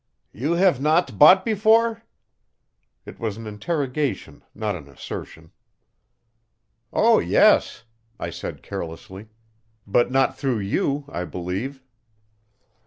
"You have not bought before?" It was an interrogation, not an assertion. "Oh, yes," I said carelessly, "but not through you, I believe."